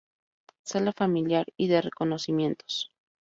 Sala familiar y de reconocimientos.